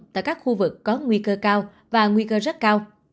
tại các khu vực có nguy cơ cao và nguy cơ rất cao